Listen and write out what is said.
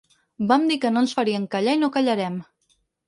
Vam dir que no ens farien callar i no callarem.